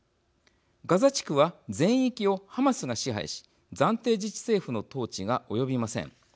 ガザ地区は全域をハマスが支配し暫定自治政府の統治が及びません。